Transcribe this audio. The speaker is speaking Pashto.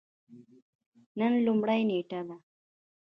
نن لومړۍ نیټه ده